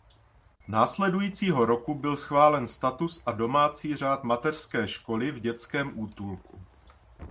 Následujícího roku byl schválen status a domácí řád mateřské školy v Dětském útulku.